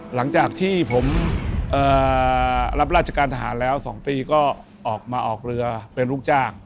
หลังจากที่ผมรับราชการทหารแล้ว๒ปีก็ออกมาออกเรือเป็นลูกจ้าง